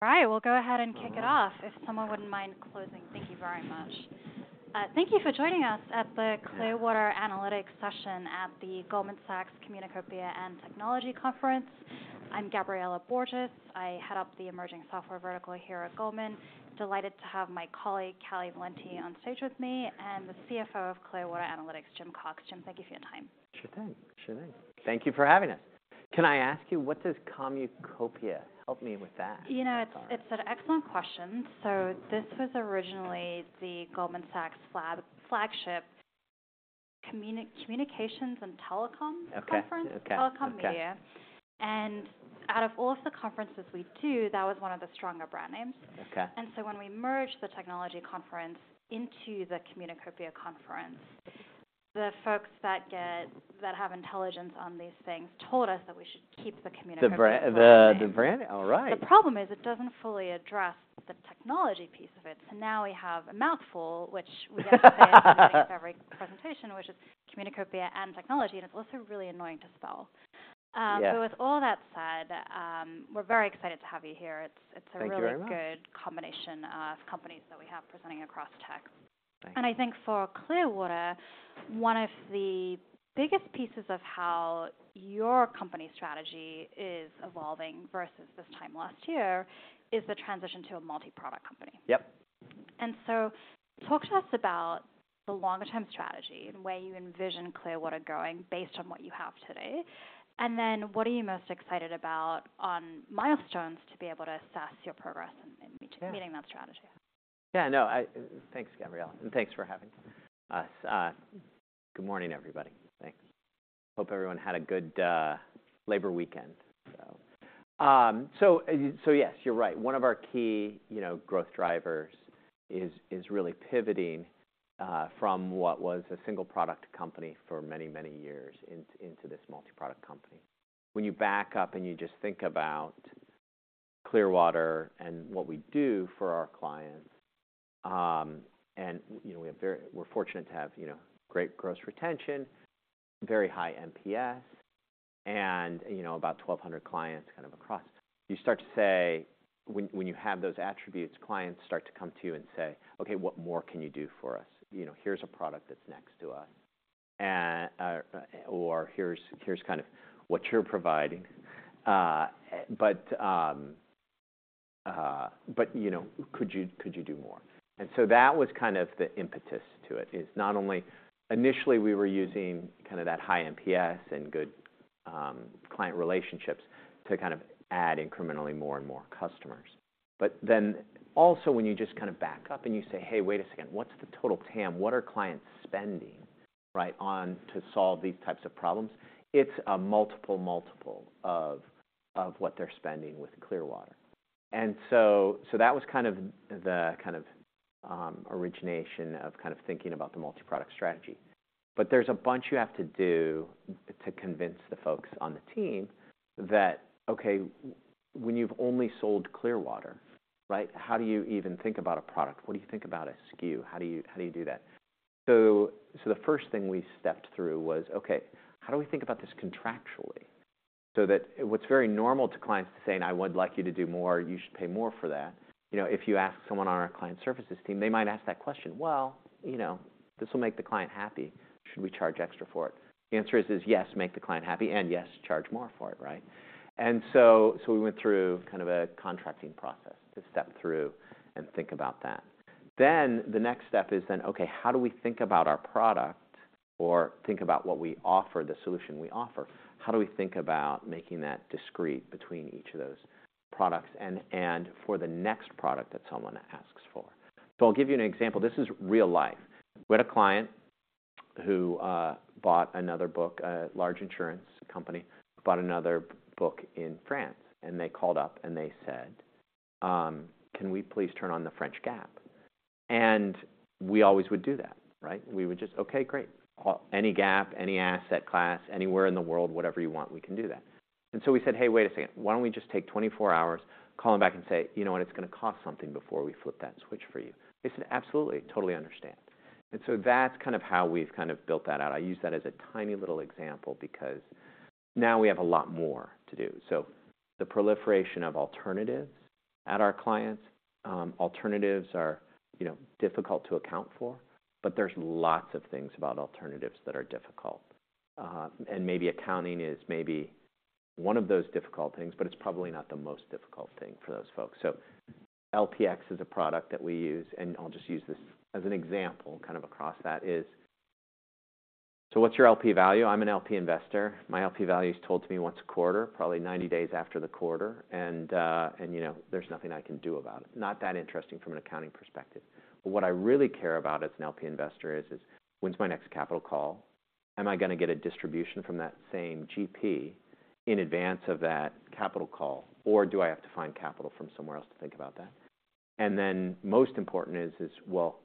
All right, we'll go ahead and kick it off if someone wouldn't mind closing. Thank you very much. Thank you for joining us at the Clearwater Analytics session at the Goldman Sachs Communacopia and Technology Conference. I'm Gabriela Borges. I head up the emerging software vertical here at Goldman. Delighted to have my colleague, Callie Valenti, on stage with me, and the CFO of Clearwater Analytics, Jim Cox. Jim, thank you for your time. Sure thing. Sure thing. Thank you for having us. Can I ask you, what does Communacopia... Help me with that? You know, it's an excellent question. So this was originally the Goldman Sachs flagship Communications and Telecom Conference. Okay. Okay. Telecom, Media. Okay. Out of all of the conferences we do, that was one of the stronger brand names. Okay. So when we merged the Technology Conference into the Communacopia Conference, the folks that have intelligence on these things told us that we should keep the Communacopia Conference. The branding? All right. The problem is, it doesn't fully address the technology piece of it. So now we have a mouthful, which we have to say at the beginning of every presentation, which is Communacopia and Technology, and it's also really annoying to spell. Yeah. With all that said, we're very excited to have you here. Thank you very much. It's a really good combination of companies that we have presenting across tech. Thanks. I think for Clearwater, one of the biggest pieces of how your company strategy is evolving versus this time last year, is the transition to a multi-product company. Yep. So talk to us about the longer term strategy and where you envision Clearwater going based on what you have today. Then, what are you most excited about on milestones to be able to assess your progress in meeting that strategy? Yeah, no. Thanks, Gabriela, and thanks for having us. Good morning, everybody. Thanks. Hope everyone had a good Labor weekend. So yes, you're right. One of our key, you know, growth drivers is really pivoting from what was a single product company for many, many years into this multi-product company. When you back up and you just think about Clearwater and what we do for our clients, and, you know, we have very-- we're fortunate to have, you know, great gross retention, very high NPS, and, you know, about 1,200 clients kind of across. You start to say. When you have those attributes, clients start to come to you and say, "Okay, what more can you do for us?" You know, "Here's a product that's next to us, or here's kind of what you're providing. But, you know, could you, could you do more?" And so that was kind of the impetus to it, is not only... Initially, we were using kind of that high NPS and good client relationships to kind of add incrementally more and more customers. But then also, when you just kind of back up and you say, "Hey, wait a second, what's the total TAM? What are clients spending, right, on to solve these types of problems?" It's a multiple of what they're spending with Clearwater. And so that was kind of the origination of kind of thinking about the multi-product strategy. But there's a bunch you have to do to convince the folks on the team that, okay, when you've only sold Clearwater, right, how do you even think about a product? What do you think about a SKU? How do you, how do you do that? So, the first thing we stepped through was, okay, how do we think about this contractually? So that's what's very normal to clients to say, "And I would like you to do more, you should pay more for that." You know, if you ask someone on our client services team, they might ask that question: "Well, you know, this will make the client happy. Should we charge extra for it?" The answer is yes, make the client happy, and yes, charge more for it, right? And so, we went through kind of a contracting process to step through and think about that. Then, the next step is then, okay, how do we think about our product or think about what we offer, the solution we offer? How do we think about making that discrete between each of those products and, and for the next product that someone asks for? So I'll give you an example. This is real life. We had a client who bought another book, a large insurance company, bought another book in France, and they called up and they said, "Can we please turn on the French GAAP?" And we always would do that, right? We would just, "Okay, great. Any GAAP, any asset class, anywhere in the world, whatever you want, we can do that." And so we said, "Hey, wait a second. Why don't we just take 24 hours, call them back and say, 'You know what? It's gonna cost something before we flip that switch for you.' " They said, "Absolutely, totally understand." And so that's kind of how we've kind of built that out. I use that as a tiny little example, because now we have a lot more to do. So the proliferation of alternatives at our clients, alternatives are, you know, difficult to account for, but there's lots of things about alternatives that are difficult. And maybe accounting is maybe one of those difficult things, but it's probably not the most difficult thing for those folks. So LPx is a product that we use, and I'll just use this as an example, kind of across that is: so what's your LP value? I'm an LP investor. My LP value is told to me once a quarter, probably 90 days after the quarter, and, and you know, there's nothing I can do about it. Not that interesting from an accounting perspective. But what I really care about as an LP investor is, is: when's my next capital call? Am I gonna get a distribution from that same GP in advance of that capital call, or do I have to find capital from somewhere else to think about that? And then, most important is, well,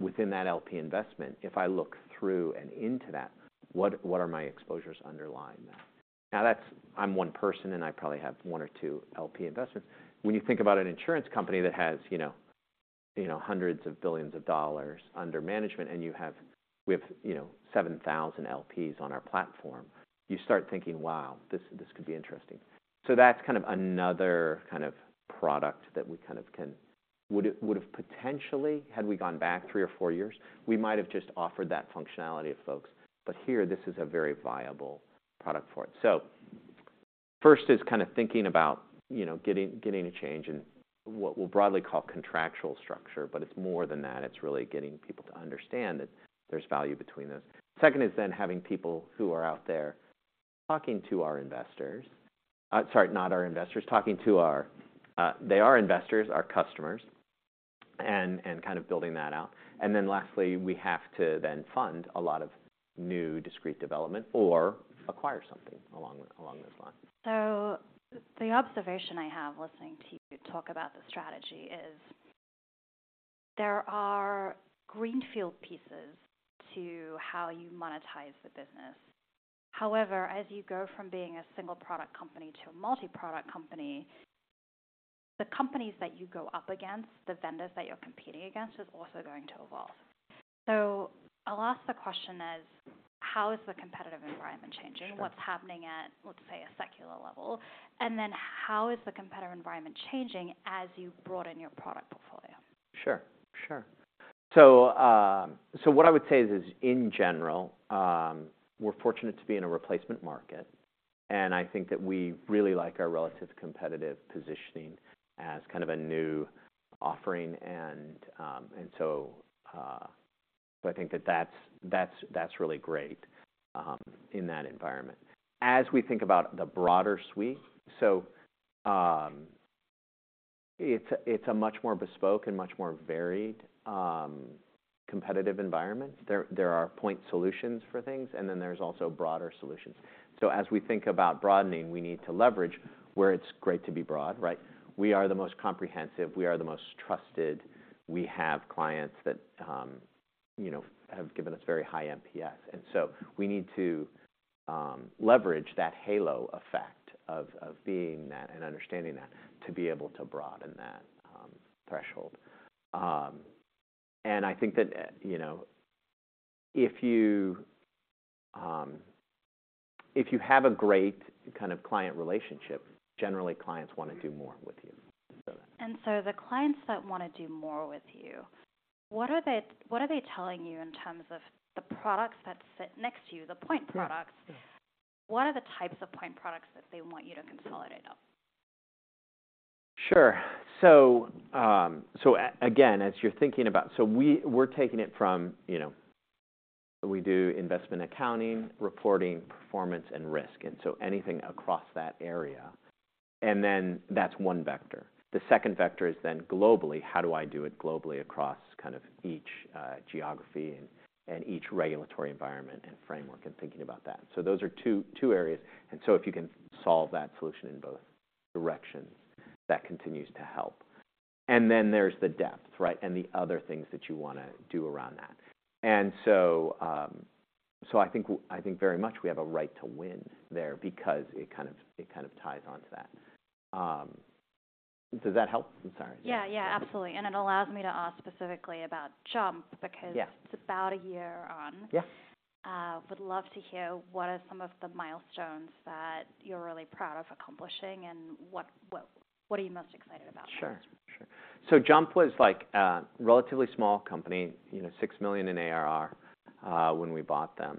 within that LP investment, if I look through and into that, what are my exposures underlying that? Now, that's. I'm one person, and I probably have 1 or 2 LP investments. When you think about an insurance company that has, you know, you know, hundreds of billions of dollars under management, and you have, we have, you know, 7,000 LPs on our platform, you start thinking: Wow, this, this could be interesting. So that's kind of another kind of product that we kind of would have potentially, had we gone back three or four years, we might have just offered that functionality to folks. But here, this is a very viable product for it. So first is kind of thinking about, you know, getting a change in what we'll broadly call contractual structure, but it's more than that. It's really getting people to understand that there's value between those. Second is then having people who are out there talking to our investors. Sorry, not our investors, talking to our... They are investors, our customers, and kind of building that out. And then lastly, we have to then fund a lot of new discrete development or acquire something along those lines. So the observation I have listening to you talk about the strategy is, there are greenfield pieces to how you monetize the business. However, as you go from being a single-product company to a multi-product company, the companies that you go up against, the vendors that you're competing against, is also going to evolve. So I'll ask the question as: How is the competitive environment changing? Sure. What's happening at, let's say, a secular level? And then, how is the competitive environment changing as you broaden your product portfolio? Sure, sure. So, so what I would say is, in general, we're fortunate to be in a replacement market, and I think that we really like our relative competitive positioning as kind of a new offering, and, and so, so I think that that's, that's, that's really great, in that environment. As we think about the broader suite, so, it's a, it's a much more bespoke and much more varied, competitive environment. There, there are point solutions for things, and then there's also broader solutions. So as we think about broadening, we need to leverage where it's great to be broad, right? We are the most comprehensive, we are the most trusted. We have clients that, you know, have given us very high NPS. We need to leverage that halo effect of being that and understanding that, to be able to broaden that threshold. And I think that, you know, if you have a great kind of client relationship, generally clients want to do more with you, so. And so the clients that want to do more with you, what are they telling you in terms of the products that sit next to you, the point products? Yeah. What are the types of point products that they want you to consolidate on? Sure. So, again, as you're thinking about... So we're taking it from, you know, we do investment accounting, reporting, performance, and risk, and so anything across that area. And then that's one vector. The second vector is then globally, how do I do it globally across kind of each geography and each regulatory environment and framework, and thinking about that. So those are two areas, and so if you can solve that solution in both directions, that continues to help. And then there's the depth, right? And the other things that you wanna do around that. And so, I think very much we have a right to win there because it kind of ties on to that. Does that help? I'm sorry. Yeah, yeah, absolutely. And it allows me to ask specifically about JUMP, because- Yeah It's about a year on. Yeah. Would love to hear what are some of the milestones that you're really proud of accomplishing, and what are you most excited about? Sure, sure. So JUMP was, like, a relatively small company, you know, $6 million in ARR, when we bought them,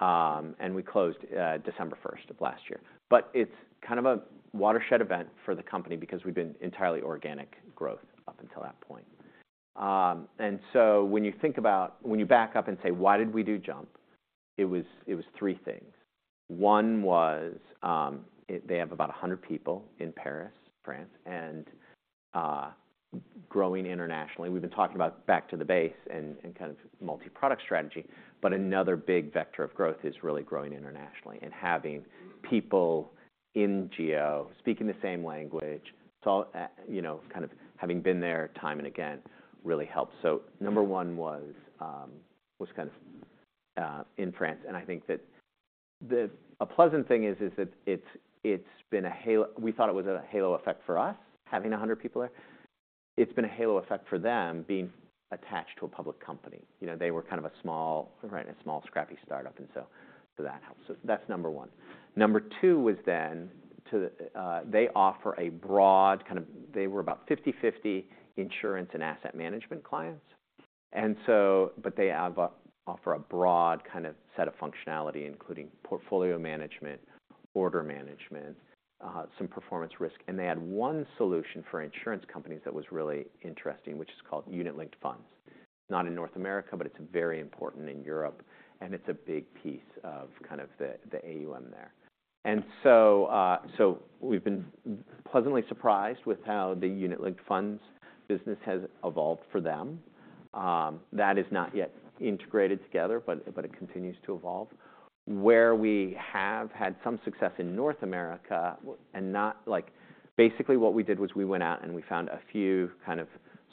and we closed December first of last year. But it's kind of a watershed event for the company because we've been entirely organic growth up until that point. And so when you think about, when you back up and say: Why did we do JUMP? It was, it was three things. One was, it, they have about 100 people in Paris, France, and growing internationally. We've been talking about back to the base and, and kind of multi-product strategy, but another big vector of growth is really growing internationally and having people in geo speaking the same language. So, you know, kind of having been there time and again, really helps. So number one was, was kind of in France, and I think that the... A pleasant thing is that it's been a halo effect. We thought it was a halo effect for us, having 100 people there. It's been a halo effect for them, being attached to a public company. You know, they were kind of a small, right, a small, scrappy startup, and so that helps. So that's number one. Number two was they offer a broad kind of... They were about 50/50 insurance and asset management clients. And so, but they have a offer a broad kind of set of functionality, including Portfolio Management, Order Management, some performance risk. And they had one solution for insurance companies that was really interesting, which is called Unit Linked Funds. Not in North America, but it's very important in Europe, and it's a big piece of kind of the, the AUM there. And so, so we've been pleasantly surprised with how the unit linked funds business has evolved for them. That is not yet integrated together, but, but it continues to evolve. Where we have had some success in North America and not, like... Basically, what we did was we went out and we found a few kind of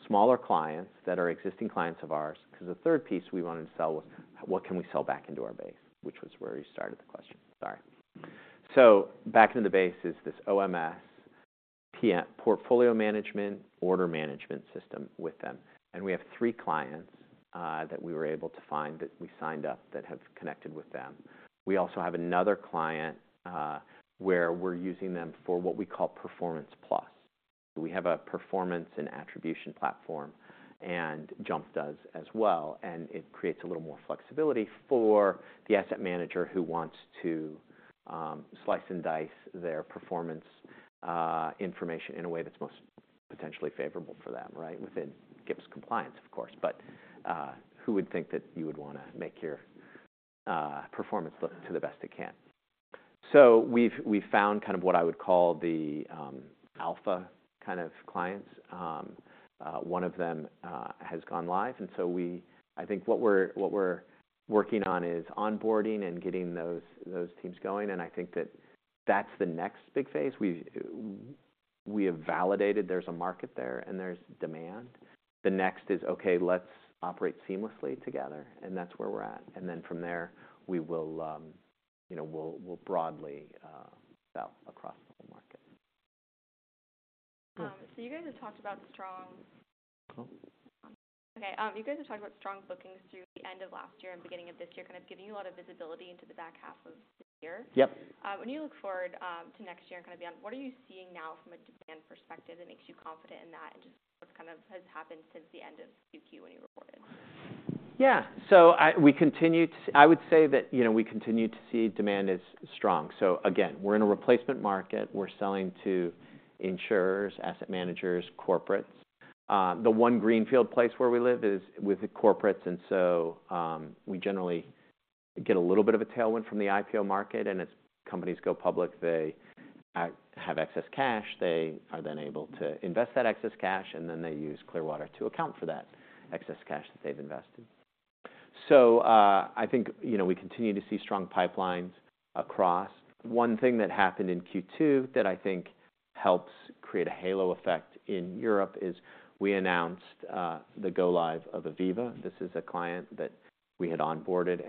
smaller clients that are existing clients of ours, because the third piece we wanted to sell was: What can we sell back into our base? Which was where you started the question. Sorry. So back to the base is this OMS, PM, Portfolio Management, Order Management System with them. We have three clients that we were able to find, that we signed up, that have connected with them. We also have another client where we're using them for what we call Performance Plus. We have a performance and attribution platform, and JUMP does as well, and it creates a little more flexibility for the asset manager who wants to slice and dice their performance information in a way that's most potentially favorable for them, right? Within GIPS compliance, of course, but who would think that you would wanna make your performance look to the best it can? So we've found kind of what I would call the alpha kind of clients. One of them has gone live, and so we, I think what we're working on is onboarding and getting those teams going, and I think that's the next big phase. We have validated there's a market there and there's demand. The next is, okay, let's operate seamlessly together, and that's where we're at. And then from there, we will, you know, we'll broadly sell across the market. So you guys have talked about strong- Oh. Okay, you guys have talked about strong bookings through the end of last year and beginning of this year, kind of giving you a lot of visibility into the back half of the year. Yep. When you look forward, to next year and kind of beyond, what are you seeing now from a demand perspective that makes you confident in that, and just what kind of has happened since the end of Q2 when you reported? Yeah. So I would say that, you know, we continue to see demand is strong. So again, we're in a replacement market. We're selling to insurers, asset managers, corporates. The one greenfield place where we live is with the corporates, and so, we generally get a little bit of a tailwind from the IPO market, and as companies go public, they have excess cash. They are then able to invest that excess cash, and then they use Clearwater to account for that excess cash that they've invested. So, I think, you know, we continue to see strong pipelines across. One thing that happened in Q2 that I think helps create a halo effect in Europe is we announced the go live of Aviva. This is a client that we had onboarded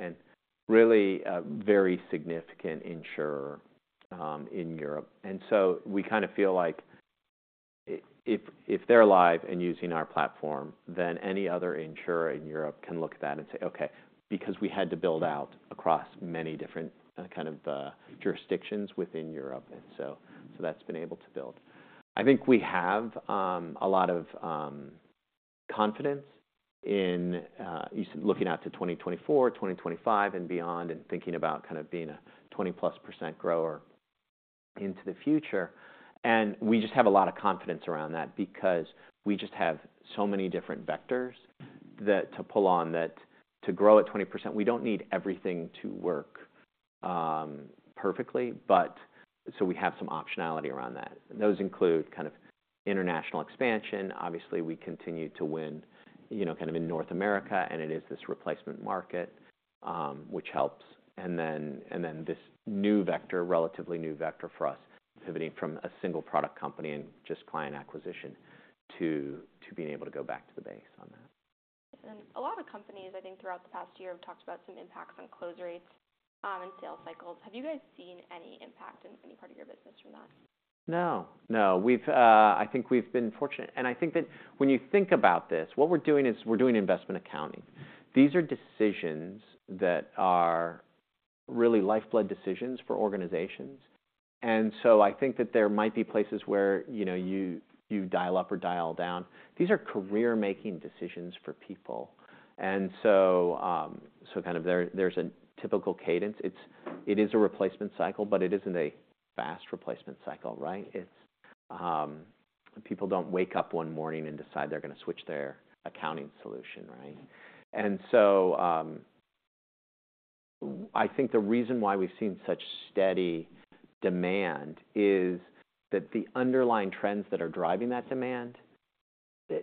and really a very significant insurer in Europe. And so we kind of feel like if they're live and using our platform, then any other insurer in Europe can look at that and say, "Okay," because we had to build out across many different kind of jurisdictions within Europe. And so, so that's been able to build. I think we have a lot of confidence in looking out to 2024, 2025, and beyond, and thinking about kind of being a 20+% grower into the future. And we just have a lot of confidence around that because we just have so many different vectors that to pull on, that to grow at 20%, we don't need everything to work perfectly, but so we have some optionality around that. Those include kind of international expansion. Obviously, we continue to win, you know, kind of in North America, and it is this replacement market, which helps. And then this new vector, relatively new vector for us, pivoting from a single product company and just client acquisition to being able to go back to the base on that. A lot of companies, I think, throughout the past year, have talked about some impacts on close rates, and sales cycles. Have you guys seen any impact in any part of your business from that? No, no. We've been fortunate, and I think that when you think about this, what we're doing is we're doing investment accounting. These are decisions that are really lifeblood decisions for organizations, and so I think that there might be places where, you know, you dial up or dial down. These are career-making decisions for people, and so, so kind of there, there's a typical cadence. It is a replacement cycle, but it isn't a fast replacement cycle, right? People don't wake up one morning and decide they're gonna switch their accounting solution, right? And so, I think the reason why we've seen such steady demand is that the underlying trends that are driving that demand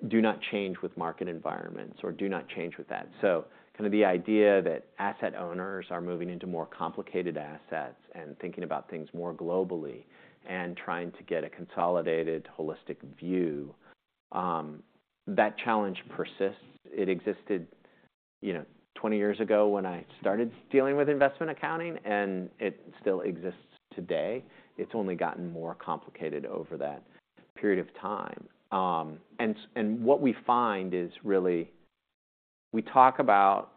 do not change with market environments or do not change with that. So kind of the idea that asset owners are moving into more complicated assets and thinking about things more globally and trying to get a consolidated, holistic view, that challenge persists. It existed, you know, 20 years ago when I started dealing with investment accounting, and it still exists today. It's only gotten more complicated over that period of time. And what we find is really... We talk about,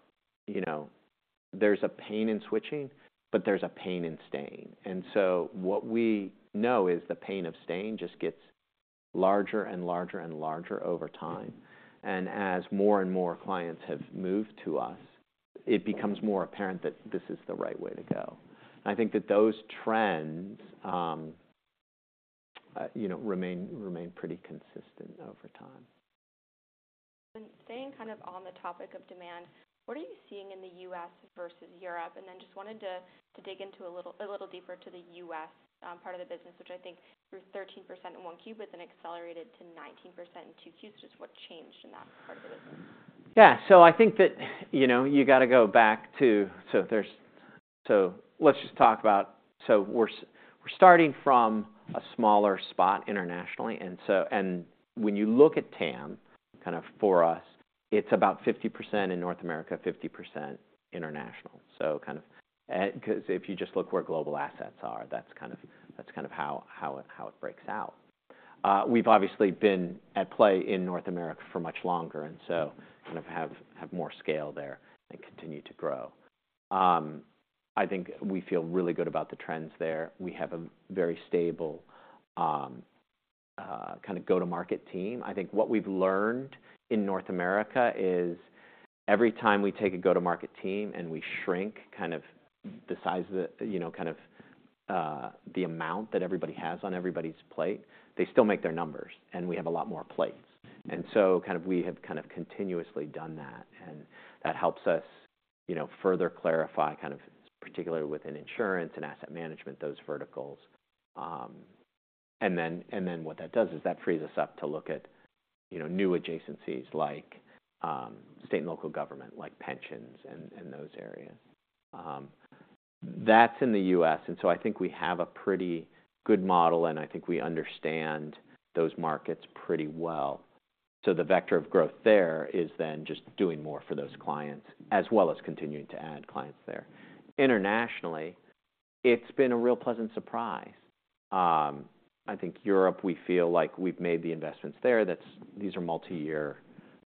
you know, there's a pain in switching, but there's a pain in staying. And so what we know is the pain of staying just gets larger and larger and larger over time. And as more and more clients have moved to us, it becomes more apparent that this is the right way to go. I think that those trends, you know, remain pretty consistent over time. Staying kind of on the topic of demand, what are you seeing in the U.S. versus Europe? And then just wanted to dig into a little deeper to the U.S. part of the business, which I think grew 13% in 1Q, but then accelerated to 19% in 2Qs. Just what changed in that part of the business? Yeah. So I think that, you know, you got to go back to. So let's just talk about, so we're starting from a smaller spot internationally, and so, when you look at TAM, kind of for us, it's about 50% in North America, 50% international. So kind of, 'cause if you just look where global assets are, that's kind of how it breaks out. We've obviously been at play in North America for much longer, and so kind of have more scale there and continue to grow. I think we feel really good about the trends there. We have a very stable, kind of go-to-market team. I think what we've learned in North America is every time we take a go-to-market team, and we shrink kind of the size of the, you know, kind of, the amount that everybody has on everybody's plate, they still make their numbers, and we have a lot more plates. And so kind of we have kind of continuously done that, and that helps us, you know, further clarify, kind of particularly within insurance and asset management, those verticals. And then what that does is that frees us up to look at, you know, new adjacencies like, state and local government, like pensions and, and those areas. That's in the U.S., and so I think we have a pretty good model, and I think we understand those markets pretty well. So the vector of growth there is then just doing more for those clients, as well as continuing to add clients there. Internationally, it's been a real pleasant surprise. I think Europe, we feel like we've made the investments there. That's... These are multi-year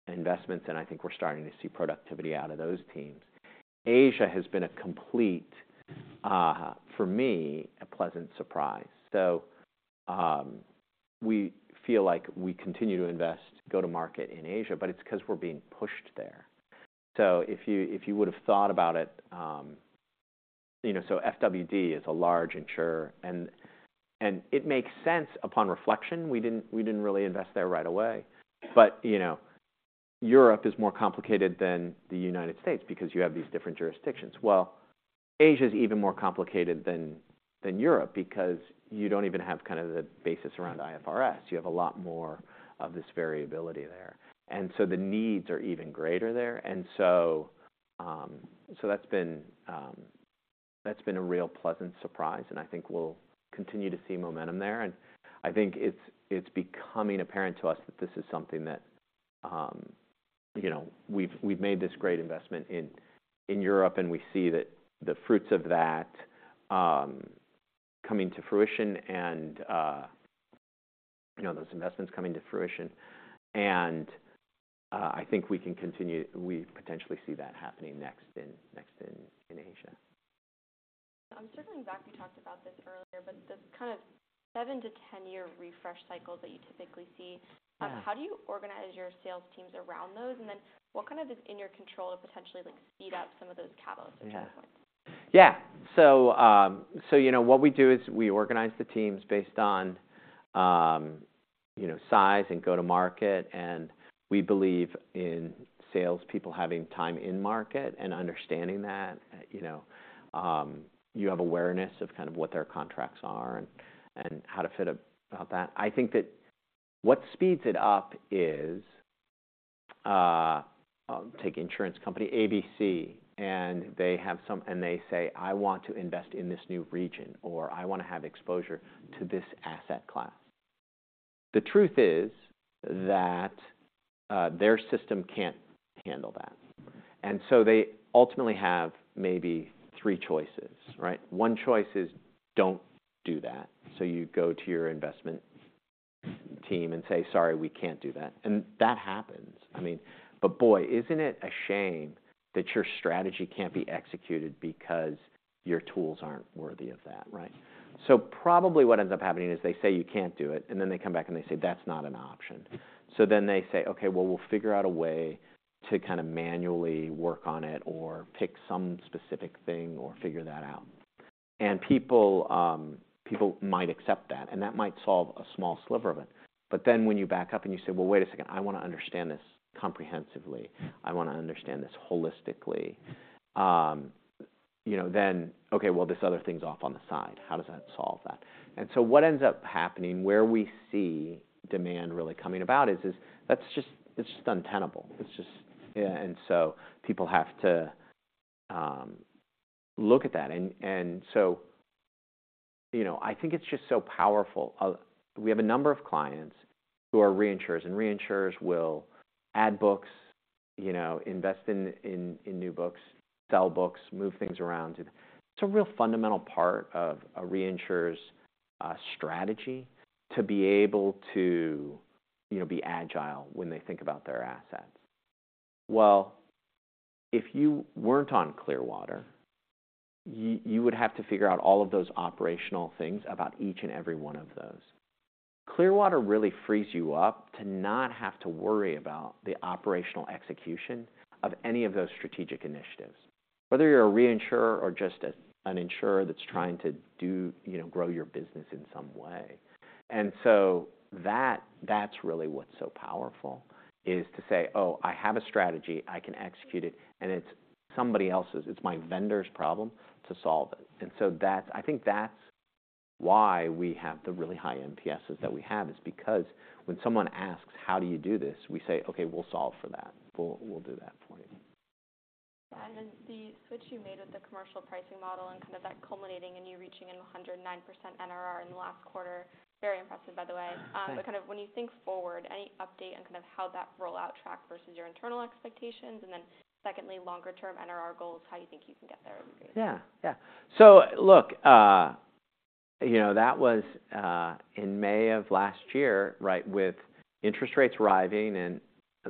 investments, and I think we're starting to see productivity out of those teams. Asia has been a complete, for me, a pleasant surprise. So, we feel like we continue to invest go-to-market in Asia, but it's 'cause we're being pushed there. So if you would've thought about it, you know, so FWD is a large insurer, and it makes sense upon reflection, we didn't really invest there right away. But, you know, Europe is more complicated than the United States because you have these different jurisdictions. Well, Asia is even more complicated than Europe because you don't even have kind of the basis around IFRS. You have a lot more of this variability there, and so the needs are even greater there. And so, that's been a real pleasant surprise, and I think we'll continue to see momentum there. And I think it's becoming apparent to us that this is something that, you know, we've made this great investment in Europe, and we see that the fruits of that coming to fruition and, you know, those investments coming to fruition. And I think we can continue. We potentially see that happening next in Asia. Circling back, we talked about this earlier, but this kind of 7-10-year refresh cycles that you typically see- Yeah. How do you organize your sales teams around those? And then what kind of is in your control to potentially, like, speed up some of those catalysts or turnpoints? Yeah. So, so you know, what we do is we organize the teams based on, you know, size and go to market, and we believe in salespeople having time in market and understanding that. You know, you have awareness of kind of what their contracts are and, and how to fit about that. I think that what speeds it up is, take insurance company ABC, and they say, "I want to invest in this new region," or, "I want to have exposure to this asset class." The truth is that, their system can't handle that, and so they ultimately have maybe three choices, right? One choice is: don't do that. So you go to your investment team and say: Sorry, we can't do that. And that happens. I mean, but boy, isn't it a shame that your strategy can't be executed because your tools aren't worthy of that, right? So probably what ends up happening is they say you can't do it, and then they come back, and they say, "That's not an option." So then they say: Okay, well, we'll figure out a way to kind of manually work on it or pick some specific thing or figure that out. And people, people might accept that, and that might solve a small sliver of it. But then when you back up and you say, "Well, wait a second, I want to understand this comprehensively. I want to understand this holistically," you know, then, okay, well, this other thing's off on the side, how does that solve that? And so what ends up happening, where we see demand really coming about is that's just—it's just untenable. It's just... Yeah, and so people have to look at that. And so, you know, I think it's just so powerful. We have a number of clients who are reinsurers, and reinsurers will add books, you know, invest in new books, sell books, move things around. It's a real fundamental part of a reinsurer's strategy to be able to, you know, be agile when they think about their assets. Well, if you weren't on Clearwater, you would have to figure out all of those operational things about each and every one of those. Clearwater really frees you up to not have to worry about the operational execution of any of those strategic initiatives, whether you're a reinsurer or just an insurer that's trying to do, you know, grow your business in some way. And so that, that's really what's so powerful, is to say, "Oh, I have a strategy. I can execute it, and it's somebody else's... It's my vendor's problem to solve it." And so that's. I think that's why we have the really high NPSs that we have, is because when someone asks: How do you do this? We say: Okay, we'll solve for that. We'll do that for you. ... And then the switch you made with the commercial pricing model and kind of that culminating in you reaching 109% NRR in the last quarter, very impressive, by the way. Thanks. But, kind of when you think forward, any update on kind of how that rollout tracked versus your internal expectations? And then secondly, longer term NRR goals, how you think you can get there would be great. Yeah, yeah. So look, you know, that was in May of last year, right? With interest rates rising and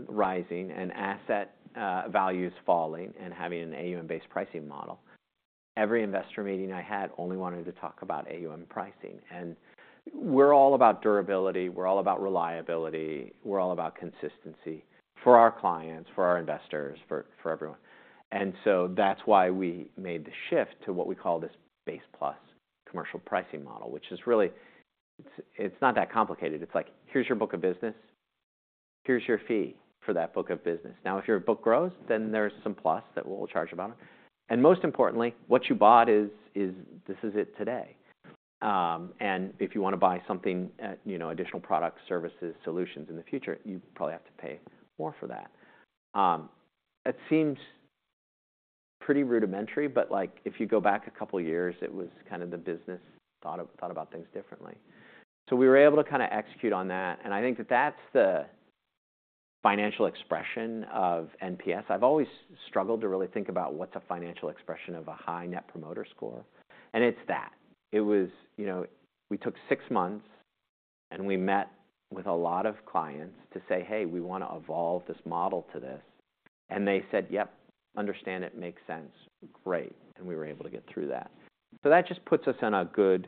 rising and asset values falling and having an AUM-based pricing model. Every investor meeting I had only wanted to talk about AUM pricing, and we're all about durability, we're all about reliability, we're all about consistency for our clients, for our investors, for everyone. And so that's why we made the shift to what we call this base plus commercial pricing model, which is really... It's not that complicated. It's like: Here's your book of business, here's your fee for that book of business. Now, if your book grows, then there's some plus that we'll charge about it. And most importantly, what you bought is this is it today. And if you wanna buy something, you know, additional products, services, solutions in the future, you probably have to pay more for that. It seems pretty rudimentary, but like, if you go back a couple of years, it was kind of the business thought about things differently. So we were able to kind of execute on that, and I think that that's the financial expression of NPS. I've always struggled to really think about what's a financial expression of a high net promoter score, and it's that. It was... You know, we took six months, and we met with a lot of clients to say, "Hey, we wanna evolve this model to this." And they said, "Yep, understand it. Makes sense." Great. And we were able to get through that. So that just puts us on a good,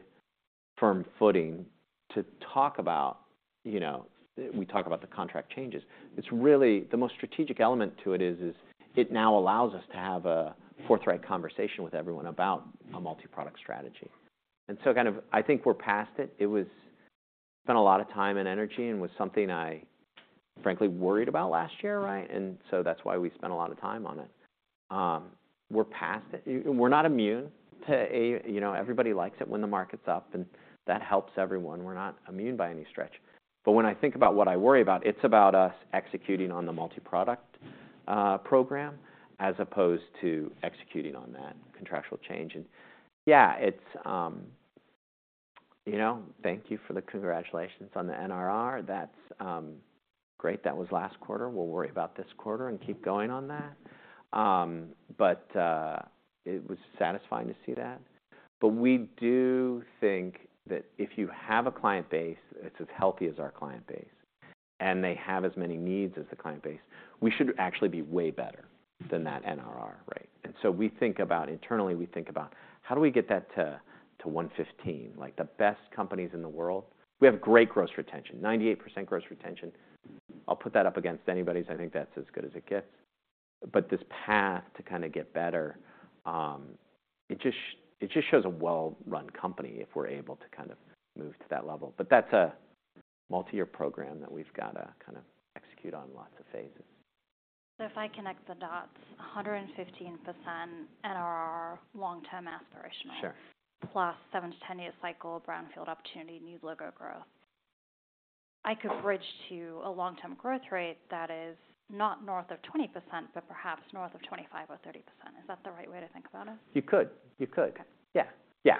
firm footing to talk about, you know, we talk about the contract changes. It's really the most strategic element to it, is it now allows us to have a forthright conversation with everyone about a multi-product strategy. And so kind of I think we're past it. It was spent a lot of time and energy and was something I frankly worried about last year, right? And so that's why we spent a lot of time on it. We're past it. We're not immune to. You know, everybody likes it when the market's up, and that helps everyone. We're not immune by any stretch, but when I think about what I worry about, it's about us executing on the multi-product program, as opposed to executing on that contractual change. And yeah, it's. You know, thank you for the congratulations on the NRR. That's great. That was last quarter. We'll worry about this quarter and keep going on that. But it was satisfying to see that. But we do think that if you have a client base that's as healthy as our client base, and they have as many needs as the client base, we should actually be way better than that NRR rate. And so we think about internally, we think about, how do we get that to 115? Like, the best companies in the world. We have great gross retention, 98% gross retention. I'll put that up against anybody's. I think that's as good as it gets. But this path to kind of get better, it just shows a well-run company if we're able to kind of move to that level. But that's a multi-year program that we've got to kind of execute on lots of phases. If I connect the dots, 115% NRR long-term aspirational- Sure. plus 7-10-year cycle, brownfield opportunity, new logo growth, I could bridge to a long-term growth rate that is not north of 20%, but perhaps north of 25% or 30%. Is that the right way to think about it? You could. You could. Okay. Yeah, yeah.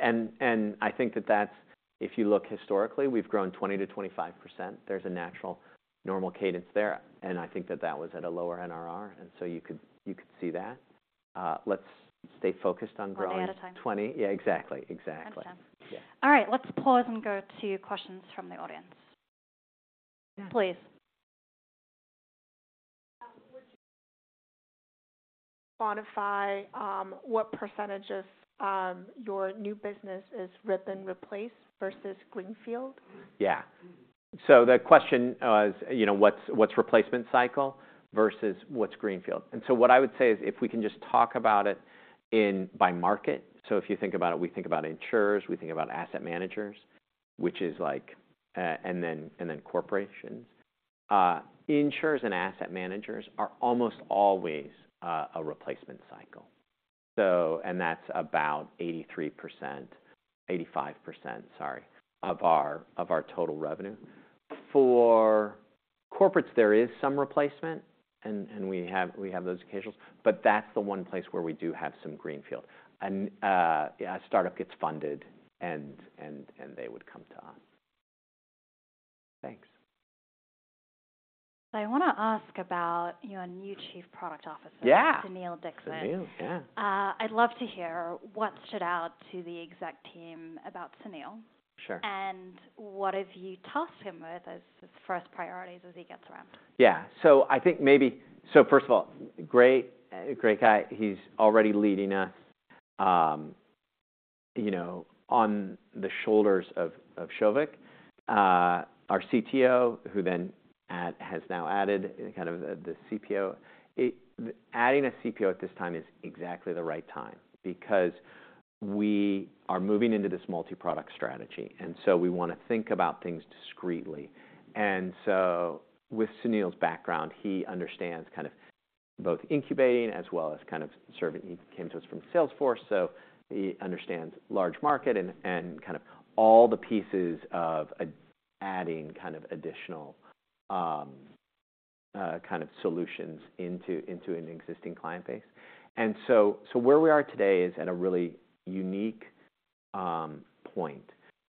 And I think that if you look historically, we've grown 20%-25%. There's a natural normal cadence there, and I think that was at a lower NRR, and so you could see that. Let's stay focused on growing- One at a time. 20. Yeah, exactly. Exactly. Understood. Yeah. All right, let's pause and go to questions from the audience. Please. Would you quantify what percentage of your new business is rip and replace versus greenfield? Yeah. So the question is, you know, what's replacement cycle versus what's greenfield? And so what I would say is, if we can just talk about it in by market. So if you think about it, we think about insurers, we think about asset managers, which is like... And then corporations. Insurers and asset managers are almost always a replacement cycle. So and that's about 83%, 85%, sorry, of our total revenue. For corporates, there is some replacement, and we have those occasions, but that's the one place where we do have some greenfield. And yeah, a startup gets funded and they would come to us. Thanks. I wanna ask about your new Chief Product Officer- Yeah! Sunil Dixit. Sunil, yeah. I'd love to hear what stood out to the exec team about Sunil. Sure. What have you tasked him with as his first priorities as he gets around? Yeah. So I think maybe. So first of all, great, great guy. He's already leading us, you know, on the shoulders of Souvik, our CTO, who then has now added kind of the CPO. Adding a CPO at this time is exactly the right time because we are moving into this multi-product strategy, and so we wanna think about things discretely. And so with Sunil's background, he understands kind of both incubating as well as kind of serving. He came to us from Salesforce, so he understands large market and kind of all the pieces of adding kind of additional solutions into an existing client base. And so where we are today is at a really unique point.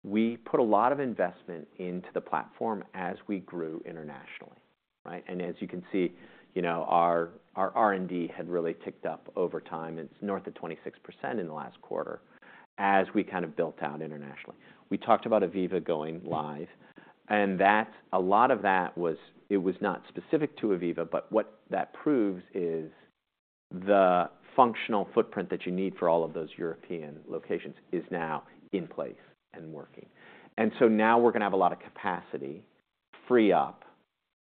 We put a lot of investment into the platform as we grew internationally, right? As you can see, you know, our R&D had really ticked up over time. It's north of 26% in the last quarter as we kind of built out internationally. We talked about Aviva going live, and that, a lot of that was... It was not specific to Aviva, but what that proves is the functional footprint that you need for all of those European locations is now in place and working. And so now we're gonna have a lot of capacity free up,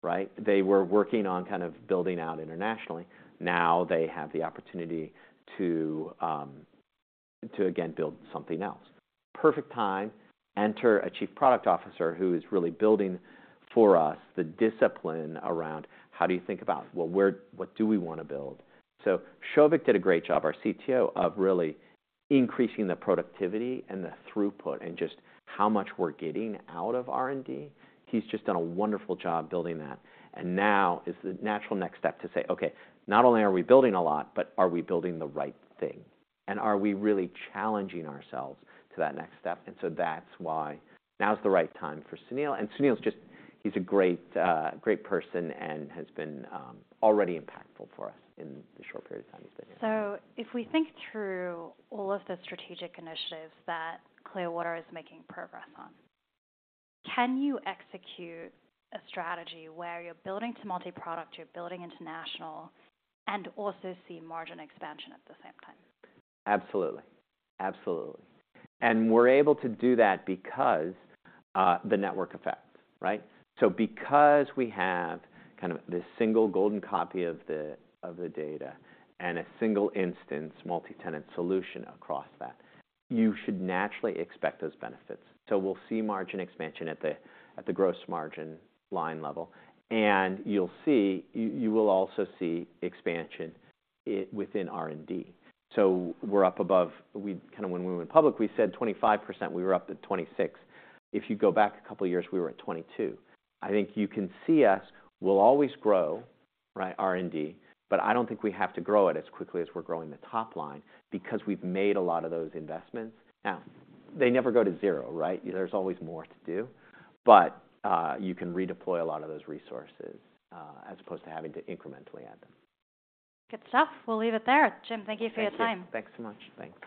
right? They were working on kind of building out internationally. Now they have the opportunity to again build something else. Perfect time, enter a Chief Product Officer who is really building for us the discipline around how do you think about, well, where, what do we wanna build? So Souvik did a great job, our CTO, of really increasing the productivity and the throughput and just how much we're getting out of R&D. He's just done a wonderful job building that. And now is the natural next step to say, "Okay, not only are we building a lot, but are we building the right thing? And are we really challenging ourselves to that next step?" And so that's why now is the right time for Sunil. And Sunil's just, he's a great, great person and has been already impactful for us in the short period of time he's been here. If we think through all of the strategic initiatives that Clearwater is making progress on, can you execute a strategy where you're building to multi-product, you're building international, and also see margin expansion at the same time? Absolutely. Absolutely. And we're able to do that because the network effect, right? So because we have kind of this single golden copy of the data and a single instance multi-tenant solution across that, you should naturally expect those benefits. So we'll see margin expansion at the gross margin line level, and you'll see you will also see expansion within R&D. So we're up above. We kind of when we went public, we said 25%. We were up to 26. If you go back a couple of years, we were at 22. I think you can see us, we'll always grow, right, R&D, but I don't think we have to grow it as quickly as we're growing the top line because we've made a lot of those investments. Now, they never go to zero, right? There's always more to do, but you can redeploy a lot of those resources, as opposed to having to incrementally add them. Good stuff. We'll leave it there. Jim, thank you for your time. Thank you. Thanks so much. Thanks.